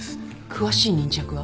詳しい人着は？